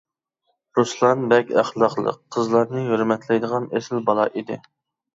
رۇسلان بەك ئەخلاقلىق، قىزلارنى ھۆرمەتلەيدىغان ئېسىل بالا ئىدى.